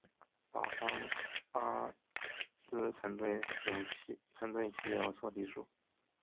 保桑尼阿斯曾对其有所记述。